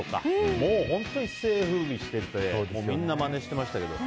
もう、本当に一世を風靡しててみんなまねしてましたけど。